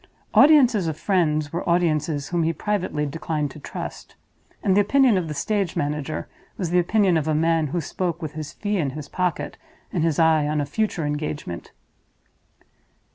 Audiences of friends were audiences whom he privately declined to trust; and the opinion of the stage manager was the opinion of a man who spoke with his fee in his pocket and his eye on a future engagement.